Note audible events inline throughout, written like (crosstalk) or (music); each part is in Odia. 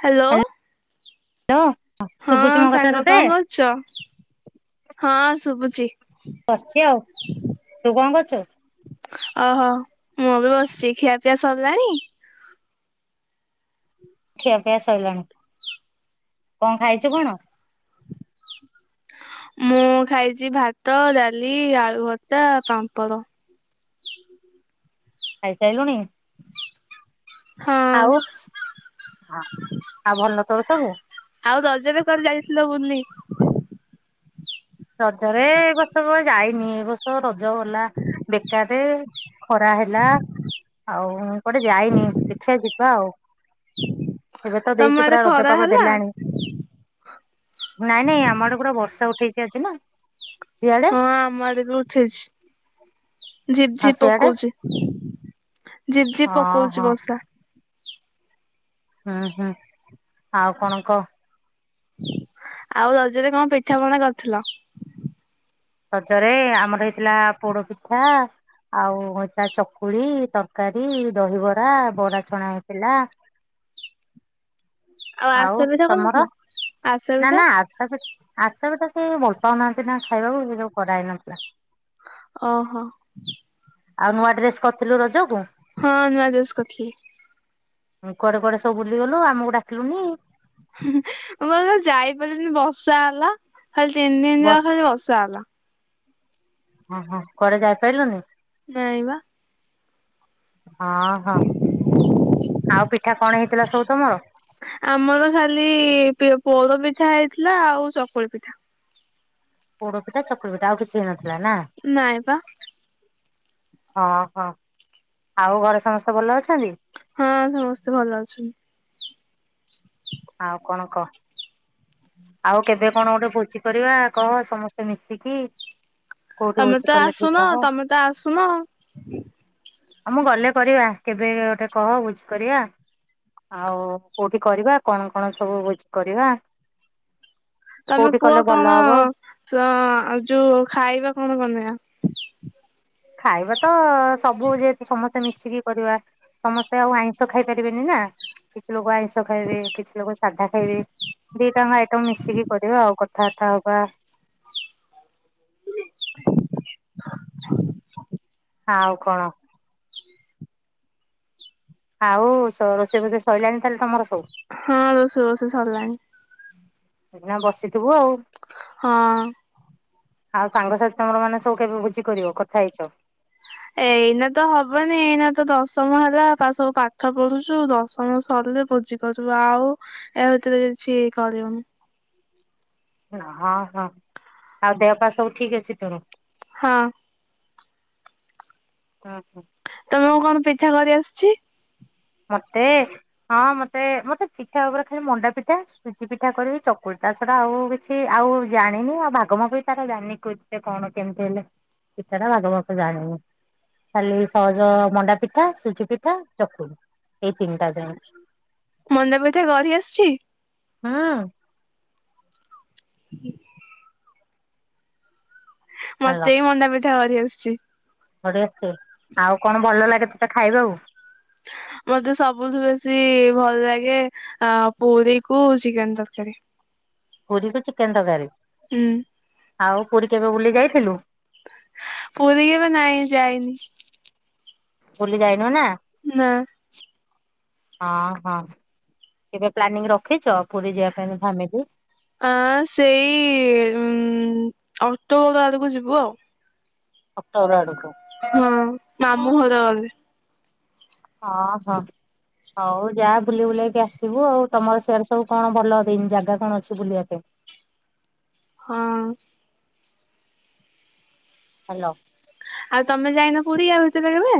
ହାଲୋ। ହାଲୋ ସୁୁଭୁଚି ମୋ କଥା ତତେ ଚ ହଁ ଶୁଭୁଚି। ବସଚି ଆଉ ତୁ କଣ କରୁଚୁ? ଓହୋ ମୁଁ ବି ବସଚି ଖିଆପିଆ ସରିଲାଣି ଖିଆପିଆ ସଇଲାଣି, କଣ ଖାଇଛ କଣ? ମୁଁ ଖାଇଛି ଭାତ, ଡାଲି, ଆଳୁ ଭତା, ପାମ୍ପଡ଼। ଖାଇସାଇଲୁଣି? ହଁ ଆଉ ଆ, ଆଉ ଭଲ ତୋର ସବୁ? ଆଉ ରଜରେ କୁଆଡେ ଯାଇଥିଲ ବୁଲି? ରଜରେ ଏ ବର୍ଷ କୁଆ ଯାଇନି, ଏ ବର୍ଷ ରଜ ଗଲା ବେକାରରେ। ଖରା ହେଲା ଆଉ କୁଆଡେ ଯାଇନି, ଦେଖିଆ ଯିବା ଆଉ। ଏବେ ତ ତମ ଦେଇଛି ଆଡେ ପୁରା ଖରା ରଜପାଗ ହେଲା? ଦେଲାଣି। ନାଇଁ ନାଇଁ ଆମ ଆଡେ ପୁରା ବର୍ଷା ଉଠେଇଛି ଆଜି ନା। ସିଆଡେ ହଁ ଆମ ଆଡେ ବି ଉଠେଇଛି, ଝିପ୍ ଆଉ ଝିପ୍ ସିଆଡେ ପକଉଛି। ଝିପ୍ ଝିପ୍ ହଁ ପକଉଛିି ହଁ ବର୍ଷା। ହୁଁ, ହୁଁ ଆଉ କଣ କହ? ଆଉ ରଜରେ କଣ ପିଠା ପଣା କରିଥିଲ? ରଜରେ ଆମର ହେଇଥିଲା ପୋଡପିଠା। ଆଉ ହେଇଥିଲା ଚକୁଳି, ତରକାରୀ, ଦହିବରା, ବରା ଛଣା ହେଇଥିଲା। ଆଉ ଆରିସା ପିଠା କରିନଥିଲ? ତୋମର? ଆରିସା ନା ପିଠା ନା ଆ ସାପି ଆରସା ପିଠା କି ଭଲ ପାଉନାହାନ୍ତି ନା ଖାଇବାକୁ ସେ (unintelligible) କରାହେଇନଥିଲା। ଓହୋ। ଆଉ ନୂଆ ଡ୍ରେସ୍ କରିଥିଲୁ ରଜକୁ? ହଁ ନୂଆ ଡ୍ରେସ୍ କରିଥିଲି। ଉଁ, କୁଆଡେ କୁଆଡେ ସବୁ ବୁଲିଗଲୁ ଆମକୁ ଡାକିଲୁନି? ମୁଁ ତ ଯାଇପାରିଲିନି ବର୍ଷା ହେଲା, ଖାଲି ତିନି ଦିନ ବ ଯାକ ଖାଲି ବର୍ଷା ହେଲା। ହଁ, ହଁ କୁଆଡେ ଯାଇପାଇଲୁନି? ନାଇଁ ବା। ଓ ହୋ। ଆଉ ପିଠା କଣ ହେଇଥିଲା ସବୁ ତୋମର। ଆମର ଖାଲି ପିଅ- ପୋଡପିଠା ହେଇଥିଲା ଆଉ ଚକୁଳି ପିଠା। ପୋଡପିଠା ଚକୁଳି ପିଠା ଆଉ କିଛି ହେଇ ନଥିଲା ନା? ନାଇଁ ବା ଓ ହୋ, ଆଉ ଘରେ ସମସ୍ତେ ଭଲ ଅଛନ୍ତି? ହଁ ସମସ୍ତେ ଭଲ ଅଛନ୍ତି। ଆଉ କଣ କହ? ଆଉ କେବେ କଣ ଗୋଟେ ଭୋଜି କରିବା କହ ସମସ୍ତେ ମିଶିକି? କୋଉଠି ତୋମେ ଭୋଜି ତ କଲେ ଆସୁନ, ଠିକ ହବ ତୋମେ ତ ଆସୁନ। ଆଉ ମୁଁ ଗଲେ କରିବା କେବେ ଗୋଟେ କହ ଭୁଜି କରିବା? ଆଉ କୋଉଠି କରିବା କଣ କଣ ସବୁ ଭୋଜି କରିବା? ତୋମେ କୋଉଠି କୁଅ କଲେ ଭଲ କଣ ହବ ଅ, ଯୋଉ ଖାଇବା କଣ ବନେଇବା? ଖାଇବା ତ ସବୁ ଯେହେତୁ ସମସ୍ ତେ ମିଶିକି କରିବା ସମସ୍ତେ ଆଉ ଆଇଁଷ ଖାଇ ପାରିବେନି ନା। କିଛି ଲୋକ ଆଇଁଷ ଷ ଖାଇବେ, କିଛି ଲୋକ ସାଧା ଖାଇବେ, ଦି ଟାଙ୍କ ଆଇଟମ ମିଶିକି କରିବା ଆଉ କଥାବାର୍ତ୍ତା ହବା। ଆଉ କଣ? ଆଉ ସ-ରୋଷେଇ ଫୋଷେଇ ସଇଲାଣିି ତାହେଲେ ତୋମର ସବୁ? ହଁ ରୋଷେଇବାସ ସରଲାଣି। ଇଖିଣା ବସିଥିବୁ ଆଉ? ହଁ। ଆଉ ସାଙ୍ଗସାଥି ତମର ମାନେ ସବ କେବେ ବୁଝି କରିବ କଥା ହେଇଚ। ଏଇନା ତ ହବନି ଏଇନା ତ ଦଶମ ହେଲା ବା ସବୁ ପାଠ ପଢୁଚୁ ଦଶମ ସରିଲେ ଭୋଜି। କରିବୁ ଆଉ ଏ ହିତରେ କିଛି କରିବୁନି। ହୁଁ ହଁ ହଁ ଆଉ ଦେହ ପା ସବୁ ଠିକ୍ ଅଛି ତୋର। ହଁ। ହଁ ହଁ। ତୁମକୁ କଣ ପିଠା କରି ଆସୁଚି। ମତେ ହଁ ମତେ ମତେ ପିଠ ଉପରେ ଖାଲି ମଣ୍ଡା ପିଠା ସୁଜି ପିଠା କରିବି ଚକୁଳି ତା ଛଡା ଆଉ କିଛି ଆଉ ଜାଣିନି ଆଉ ଭାଗମାପ ବି ତାର ଜାଣିନି। ସେ କଣ କେମିତି ହେଲେ ପଠା ଟା ଭାଗମାପ ଜାଣିନି। ଖାଲି ସହଜ ମଣ୍ଡା ପିଠା ସୁଜି ପିଠା ଚକୁଳି ଏଇ ତିନିଟା ଯାଣିଚି। ମୁଣ୍ଡା ପିଠା କରି ଆସୁଚି। ହଁ। ହ ଭଲ ମତେ ବି ମଣ୍ଡା ପିଠା କରି ଆସୁଚି। ପରି ଅଛି ଆଉ କଣ ଭଲ ଲାଗେ ତତେ ଖାଇବାକୁ। ମତେ ସବୁଥୁ ବେଶୀ ଭଲ ଲାଗେ ଆ ପୁରିକୁ ଚିକେନ୍ ତରକାରୀ। ପୁରୀକୁ ଚିକେନ୍ ତରକାରୀ। ହୁଁ। ଆଉ ପୁରୀ କେବେ ବୁଲି ଯାଇଥିଲୁ। ପୁରି କି ବେ ନାଇଁ ଯାଇନି। ବୁଲି ଜାଇନୋଉ ନା। ନା। ହଁ ହଁ। କେବେ ପ୍ଲାନିଂ ରଖିଚ ପୁରୀ ଯିବା ପାଇଁ ଫାମିଲି। ଆଁ ସେଇ ଉଁ ଅକ୍ଟୋବ ଆଡକୁ ଯିବୁ ଆଉ। ଅକ୍ଟୋବର ଆଡକୁ। ହଁ ମାମୁଁ ଘର ଗଲେ। ହଁ ହଁ ହଉ ଯା ବୁଲି ବୁଲାକି ଆସିବୁ ଆଉ। ତମର ସେଆଡେ ସବୁ କଣ ଦି ଭଲ ଜାଗା କଣ ଅଛି ବୁଲିବା ପାଇଁ। ହଁ। ହ୍ୟାଲୋ। ଆଉ ତମେ ଯାଇନ ପୁରୀ ୟା ଭିତରେ କେବେ?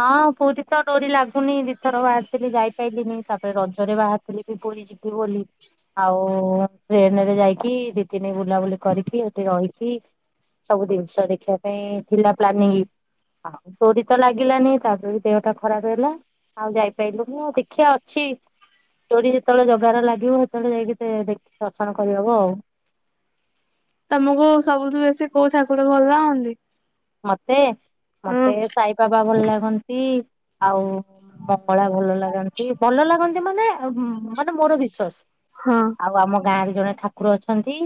ହଁ ପୁରୀ ତ ଡୋରି ଲାଗୁନି ଦିଥର ବାହାରିଥିଲି ଯାଇପାରଲିିନି ତାପରେ ରଜରେ ବାହାରିଥିଲି ବି ପୁରୀ ଯିବି ବୋଲି। ଆଉ ଟ୍ରେନରେ ଯାଇକି ଦି ତିନି ବୁଲାବୁଲି କରିକି ସେଠି ରହିକି ସବୁ ଜିନିଷ ଦେଖିବା ପାଇଁ ଥିଲା ପ୍ଲାନିଂ ଆଉ ତୋରି ତ ଲାଗ ଲାନି ତାପରେ ଦେହଟା ଖରାପ ହେଲା ଆଉ ଯାଇପାଇଲୁନି ଦେଖିଆ ଅଛି ଚୋଡି ଯେତେବେଳେ ଜଗାରେ ଲାଗିବ ହେତେବେଳେ ଯାଇକି ଦେ ଦେଖି ଦର୍ଶନ କରିହବ ଆଉ। ତମକୁ ସବୁଠୁ ବେଶୀ କୋଉ ଠାକୁର ଭଲ ଲାଗନ୍ତି। ମତେ ହଁ ମତେ ସାଇବାବା ଭଲ ଲାଗନ୍ତି ଆଉ ମଙ୍ଗଳା ଭଲ ଲାଗନ୍ତି ଭଲ ଲାଗନ୍ତି ମାନେ ମାନେ ମୋର ବିଶ୍ଵାସ। ହଁ। ଆଉ ଆମ ଗାଁରେ ଜଣେ ଠାକୁର ଅଛନ୍ତି।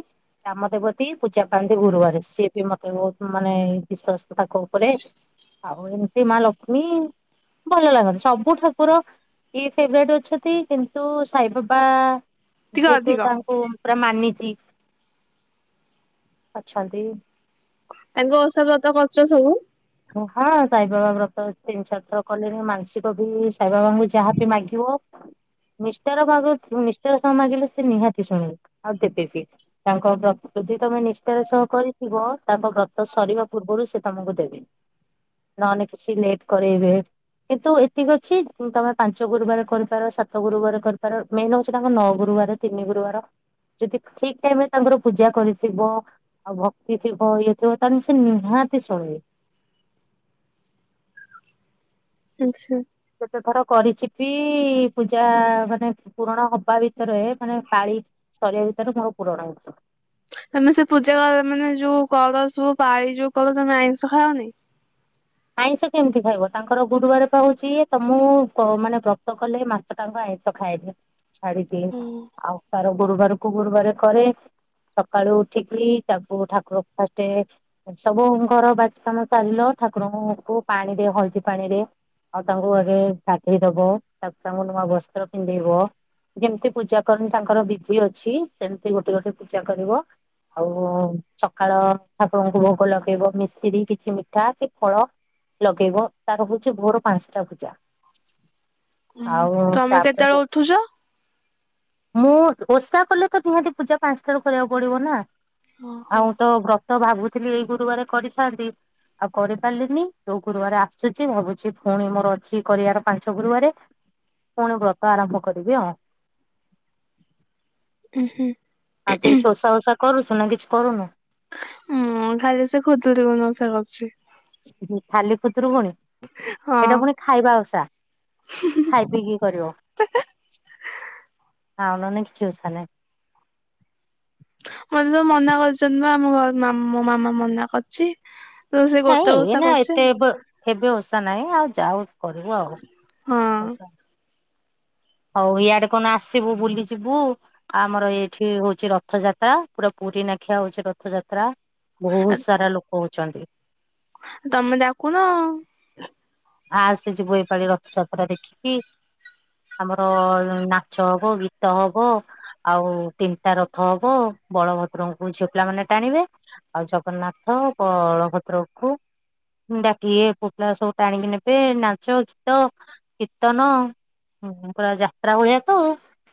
ଗ୍ରାମ ଦେବତୀ ପୂଜା ପାଆନ୍ତି ଗୁରୁବାରେ ସିଏ ବି ମତେ ବହୁତ ମାନେ ବିଶ୍ଵାସ ତ ତାଙ୍କ ଉପରେ ଆଉ ଏମିତି ମା ଲକ୍ଷ୍ମୀ ଭଲ ଲାଗନ୍ତିଟ ସବୁ ଠାକୁର ଇଏ ଫେବରେଟ୍ ଅଛନ୍ତି କିନ୍ତୁ ସାଇବାବା ଟିକେ ଯେହେତୁ ଅଧିକ। ତାଙ୍କୁ ପୁରା ମାନିଚି ଅଛନ୍ତି ତାଙ୍କ ଓଷା ବ୍ରତ କରୁଚ ସବୁ ହଁ ସାଇ ବାବା ବ୍ରତ ଅ ତିନି ଚାରଥର କଲିଣି ମାନ ସିକ ବି ସାଇବାବାଙ୍କୁ ଯାହାବି ମାଗିବ ନିଷ୍ଠାର ଭାବେ ନିଷ୍ଠାର ସହ ମାଗିଲେ ସେ ନିହାତି ଶୁଣିବେ ଆଉ ଦେବେ ବି। ତାଙ୍କ ବ୍ରତ ଯୃଦି ତମେ ନିଷ୍ଠାର ସହ କରିଥିବ ତାଙ୍କ ବ୍ରତ ସରିବା ପୂର୍ବରୁ ସେ ତମକୁ ଦେବେ। ନହେଲେ କିଛି ଲେଟ୍ କରଇବେ। କିନ୍ତୁ ଏତିକି ଅଛି ତମେ ପାଞ୍ଚ ଗୁରୁବାର କରିପାର ସାତ ଗୁରୁବାର କରିପାର ମେନ୍ ହଉଛି ତାଙ୍କ ନଅ ଗୁରୁବାର ତିନି ଗୁରୁବାର ଯଦି ଠିକ୍ ଟାଇମ ରେ ତାଙ୍କର ପୂଜା କରିଥିବ ଆଉ ଭକ୍ତି ଥିବ ଇଏ ଥିବ ତାଲେ ସେ ନିହାତି ଶୁଣିବେ। ଆଚ୍ ଛା କେତେ ଥର କରିଛି ବି ପୂଜା (unintelligible) ନେ ପୂରଣ ହବା ଭିତରେ ମାନେ ପାଳି ସରିବା ଭିତରେ ମର ପୂରଣ ହେଇଚି। ତମେ ସେ ପୂଜା ମାନେ ଯୋଉ କର ସୁ ପାଳି ଯୋଉ କଲ ତମେ ଆଇଁଷ ଖାଅନି? ଆଇଁଷ କେମିତି ଖାଇବ? ତାଙ୍କର ଗୁରୁବାର ପାଉଛି ତମକୁ କ ମାନେ ବ୍ରତ କଲେ ମା ତାଙ୍କ ବା ଆଇଁଷ ଖାଇଦି ଛାଡିଦିଏ ହଁ ଆଉ ତାର ଗୁରୁବାରକୁ ଗୁରୁବାର କରେ ସକାଳୁ ଉଠିକି ତାକୁ ଠାକୁର ଫାଷ୍ଟେ ସବୁ ଘର ବାଚ କାମ ଚାଲିଲ ଠାକୁରଙ୍କୁ ପାଣିରେ ହଲଦୀ ପାଣିରେ ଆଉ ତାଙ୍କୁ ଆଗେ ଗାଦେଇ ଦବ ତାପ ତାଙ୍କୁ ନୂଆ ବସ୍ତ୍ର ପିନ୍ଧେଇବ ଯେମିତି ପୂଜା କରନି ତାଙ୍କର ବିଧି ଅଛି ସେମିତି ଗୋଟେ ଗୋଟେ ପୂଜା କରିବ ଆଉ ସକାଳ ଠାକୁରଙ୍କୁ ଭୋଗ ଲଗେଇବ ମିଶିରି କିଛି ମିଠା କି ଫଳ ଲଗେଇବ, ତାର ହଉଛି ଭୋର ପାଞ୍ଚଟା ପୂଜା। ଆଉ ତମେ ତା ପରେ କେତେବେଳେ ରୁ ଉଠୁଛ? ମୁଁ ଓଷା କଲେ ତ ନିହାତି ପୂଜା ପାଞ୍ଚଟାରୁ କରିବାକୁ ପଡିବ ନା? ଆଉ ତ ବ୍ରତ ଭାବୁଥିଲି ଏଇ ଗୁରୁବାରେ କରିଥାନ୍ତି ଆଉ କରିପାରିଲିନି, ଯୋଉ ଗୁରୁବରେ ଆସୁଛି ଭାବୁଛି ଫୁଣି ମୋର ଅଛି କରିବାର ପାଞ୍ଚ ଗୁରୁବାରେ ପୁଣି ବ୍ରତ ଆରମ୍ଭ କରିବି ଆଉ ଉ ହୁଁ ଆଉ ତୁଇ ଚୁସା ଫସା କରୁଛୁ ନା କିଛି କରୁନୁ? ମୁଁ ଖାଲି ସେ ଖୁଦୁରୁକୁଣୀ ଓଷା କରୁଚି। ହୁଁ ଖାଲି ଖୁଦୁରୁକୁଣୀ! ଏଇଟା ହଁ। ପୁଣି ଖାଇବା ଓଷା, ଖାଇ ପିଇକି କରିବ। ଆଉ ନହେଲେ ନାଇଁ କିଛି ଓଷା ନାଇ ମତେ ବ ମନା କରିଛନ୍ତି ଆମ ଘ ମୋ ମାମା ମନା କରଚି, ନାଇଁ ନା ଏତେ ବ ଏବେ ଓଷା ନାହିଁ ଆଉ ଯାଉ କରିବୁ ଆଉ ଆଉ ଓଷା ହଉ ଇଆଡେ କଣ ଆସିବୁ ବୁଲିଯିବୁ ଆମର ଏଇଠି ହଉଛି ରଥଯାତ୍ରା। ପୁରା ପୁରୀ ନାଖିଆ ହଉଛି ରଥଯାତ୍ରା। ବହୁତ ହଁ ସାରା ଲୋକ ହଉଛନ୍ତି। ତମେ ଡାକୁନ ଆଉ ଆସେ ଯିବୁ ଏପାଳି ରଥଯାତ୍ରା ଦେଖିକି, ଆମର ନାଚ ହବ, ଗୀତ ହବ ଆଉ ତିନିଟା ରଥ ହବ, ବଳଭଦ୍ରଙ୍କୁ ଝିଅ ପିଲାମାନେ ଟାଣିବେ। ଆଉ ଜଗନ୍ନାଥ, ବଳଭଦ୍ରକୁ ଡାକିଲେ ପୁଅ ପିଲା ସବୁ ଟାଣିକି ନେବେ, ନାଚ, ଗୀତ, କୀର୍ତ୍ତନ ହୁଁ ପୁରା ଯାତ୍ରା ଭଳିଆ ତ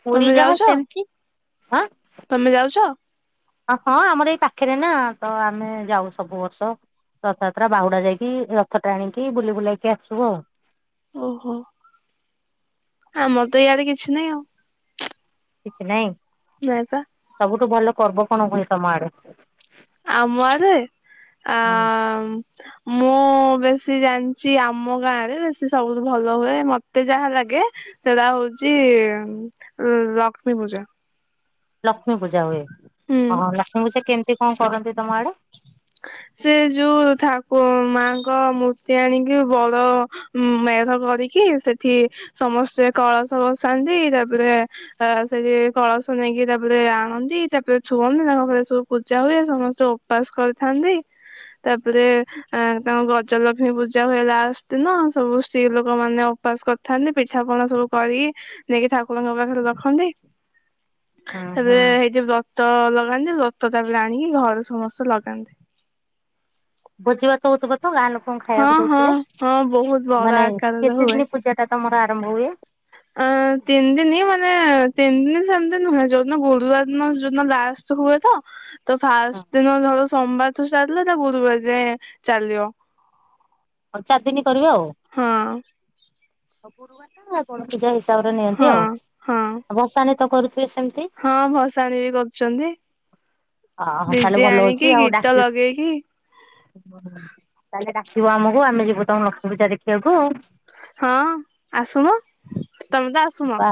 ପୁରୀ ତମେ ଯାହା ଯାଉଛ ସେମିତି, ଆଁ ତମେ ଯାଉଛ? ହଁ ଆମର ଏଇ ପାଖରେ ନା ତ ଆମେ ଯାଉ ସବୁ ବର୍ଷ। ରଥଯାତ୍ରା ବାହୁଡା ଯାଇକି ରଥ ଟାଣିକି ବୁଲି ବୁଲାକି ଆସୁ ଆଉ। ଓହୋ ଆମର ତ ଇଆଡେ କିଛି ନାହିଁ ଆଉ। କିଛି ନାଇଁ। ନାଇଁ ବା। ସବୁଠୁ ଭଲ ପର୍ବ କଣ ହୁଏ ତମ ଆଡେ? ଆମ ଆଡ଼େ, ହୁଁ ଆଁ (inaudible) ମୁଁ ବେଶୀ ଜାଣିଛି ଆମ ଗାଁରେ ବେଶୀ ସବୁଠୁ ଭଲ ହୁଏ ମତେ ଯାହା ଲାଗେ, ସେଟା ହଉଛି ଲକ୍ଷ୍ମୀ ପୂଜା। ଲକ୍ଷ୍ମୀ ପୂଜା ହୁଏ, ହୁଁ ହଁ ଲକ୍ଷ୍ମୀ ପୂଜା କେମିତି କଣ କରନ୍ତି ତମ ଆଡେ? ସେ ଯୋଉ ଠାକୁ ମାଙ୍କ ମୂର୍ତ୍ତି ଆଣିକି ବଡ ଉଁ ମେଢ଼ କରିକି ସେଠି ସମସ୍ତେ କଳସ ବସାନ୍ତି, ତାପରେ ଅ ସେଠି କଳସ ନେଇକି ତାପରେ ଆଣନ୍ତି ତାପରେ ଥୁଅନ୍ତି, ତାପରେ ସବୁ ପୂଜା ହୁଏ, ସମସ୍ତେ ଉପାସ କରିଥାନ୍ତି। ତାପରେ ତାଙ୍କ ଗଜଲକ୍ଷ୍ମୀ ପୂଜା ହୁଏ ଲାଷ୍ଟ ଦିନ ସବୁ ସ୍ତ୍ରୀ ଲୋକ ମାନେ ଉପବାସ କରିଥାନ୍ତି ପିଠା ପଣା ସବୁ କରିକି ନେଇକି ଠାକୁରଙ୍କ ପାଖରେ ରଖନ୍ତି। ହୁଁ ହୁଁ ତାପରେ ସେଇଠି ବ୍ରତ ଲଗାନ୍ତି ବ୍ରତ ତାପରେ ଆଣିକି ଘରେ ସମସ୍ତେ ଲଗାନ୍ତି। ଭୋଜି ଭାତ ହଉଥିବ ତ ଗାଁ ଲୋକ କଣ ହଁ ଖାଇବାକୁ ହଁ ଦଉଥିବେ, ହଁ ବହୁତ ବଡ ମାନେ ଆକାରରେ କେତେ ହୁଏ ଦିନ ପୂଜାଟା ତମର ଆରମ୍ଭ ହୁଏ? ଅ ତିନି ଦିନି ମାନେ ତିନି ଦିନ ସେମତି ନୁହେଁ ଯୋଉଦିନ ଗୁରୁବାର ଦିନ ଯଉଦିନ ଲାଷ୍ଟ ହୁଏ ତ ତ ଫାଷ୍ଟ ଦିନ ଧର ସୋମବାରଠୁ ଷ୍ଟାର୍ଟ ହେଲେ ଏଟା ଗୁରୁବାର ଯାଏ ଚାଲିବ। ହଁ ଚାରି ଦିନ କରିବେ ଆଉ। ହଁ ଗୁରୁବାରଟା ବଡ଼ ପୂଜା ହିସାବରେ ହଁ ନିଅନ୍ତି ଆଉ। ହଁ ଭସାଣି ତ କରୁଥିବେ ସେମିତି। ହଁ ଭସାଣି ବି କରୁଛନ୍ତି, ଓହୋ ତାହେଲେ ଡିଜେ ଆଣିକି ଗୀତ ଲଗେଇକି, ହୁଁ ତାହେଲେ ଡାକିବ ଆମକୁ ଆମେ ଯିବୁ ତମ ଲକ୍ଷ୍ମୀ ପୂଜା ଦେଖିବାକୁ ଆଉ। ହଁ ଆସୁନ। ତମେ ତ ଆସୁନ ଯିବା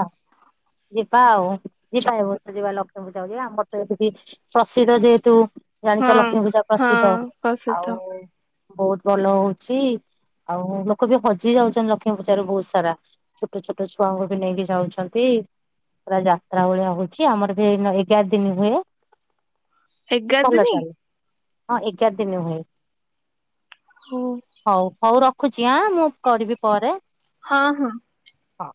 ଯିବା ଆଉ ଯିବା ଏବ ତ ଯିବା ଲକ୍ଷ୍ମୀପୂଜା ଯିବା ଆମର ତ ଏତିକି ପ୍ରସିଦ୍ଧ ଯେହେତୁ। ହଁ ଜାଣିଛ ଲକ୍ଷ୍ମୀ ପୂଜା ହଁ ପ୍ରସିଦ୍ଧ ପ୍ରସିଦ୍ଧ ଆଉ ବହୁତ ଭଲ ହଉଛି। ଆଉ ଲୋକ ବି ହଜି ଯାଉଛନ୍ତି ଲକ୍ଷ୍ମୀ ପୂଜାରେ ବହୁତ ସାରା ଛୋଟ ଛୋଟ ଛୁଆଙ୍କୁ ବି ନେଇକି ଯାଉଛନ୍ତି। ପୁରା ଯାତ୍ରା ଭଳିଆ ହଉଛି ଆମର ବି ଏଇନା ଏଗାର ଦିନ ହୁଏ। ଏଗାର ଭଲ ଦିନି ଚାଲେ ହଁ ଏଗାର ଦିନ ହୁଏ। ହଁ ହଉ ହଉ ରଖୁଛି ଆଁ ମୁଁ କରିବି ପରେ। ହଁ ହଁ। ହଉ।